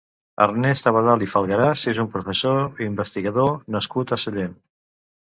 Ernest Abadal i Falgueras és un professor i investigador nascut a Sallent.